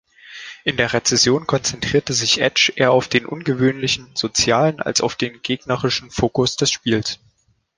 In der Rezension konzentrierte sich „Edge“ eher auf den ungewöhnlichen sozialen als auf den gegnerischen Fokus des Spiels.